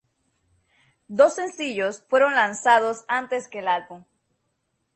Dos sencillos fueron lanzados antes que el álbum.